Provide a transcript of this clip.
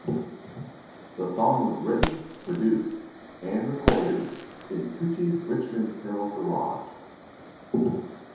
The song was written, produced and recorded in Tucci's Richmond Hill garage.